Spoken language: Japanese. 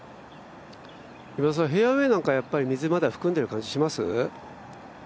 フェアウエーなんかは、まだ水含んでいる感じします？